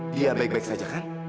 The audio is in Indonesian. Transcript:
dia baik baik saja kan